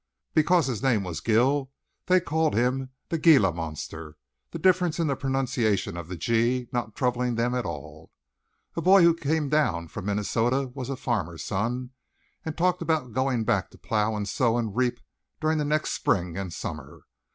Because his name was Gill they called him the Gila monster the difference in the pronunciation of the "G's" not troubling them at all. A boy who came down from Minnesota was a farmer's son, and talked about going back to plow and sow and reap during the next spring and summer.